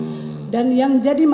jadi sungai terbesar di papua